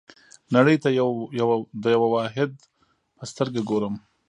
نړۍ ته د یوه واحد په سترګه ګورم.